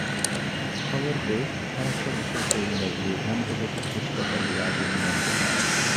খবর পেয়ে ফায়ার সার্ভিসের কর্মীরা গিয়ে ঘণ্টাব্যাপী চেষ্টা চালিয়ে আগুন নিয়ন্ত্রণে আনেন।